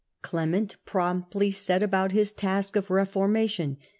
Clement promptly set about his task of reformation.